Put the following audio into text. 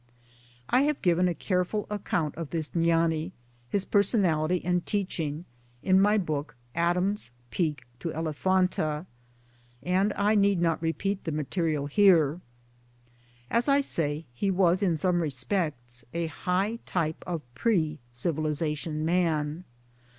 I have given a careful account of this Gnani, his personality and teaching, in my book "Adam's Peak to Elephanta and I need not repeat the material here. As I say, he was in some respects a high type of pre civilization man.